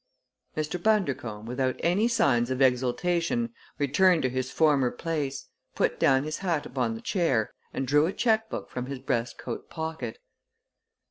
Mr. Bundercombe, without any signs of exultation, returned to his former place, put down his hat upon the chair and drew a checkbook from his breast coat pocket.